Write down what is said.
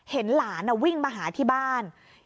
เห็นหลานวิ่งมาหาที่บ้าน